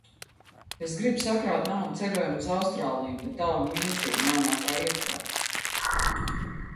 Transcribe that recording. Es gribu sakrāt naudu ceļojumam uz Austrāliju, bet alga niecīga, nav no kā iekrāt.